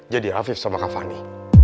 jadi hafif sama kak fani